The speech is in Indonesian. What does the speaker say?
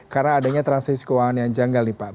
karena adanya transaksi keuangan yang janggal nih pak